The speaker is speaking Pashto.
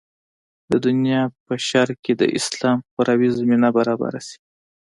د دنیا په شرق کې د اسلام خپراوي زمینه برابره شي.